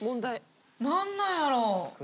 何なんやろう？